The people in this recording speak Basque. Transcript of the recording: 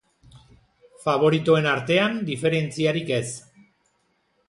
Faboritoen artean, diferentziarik ez.